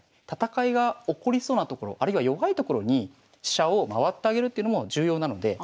戦いが起こりそうなところあるいは弱いところに飛車を回ってあげるっていうのも重要なので。